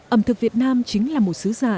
ẩm thực việt nam chính là một sứ giả